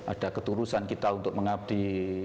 ada ketulusan kita untuk mengabdi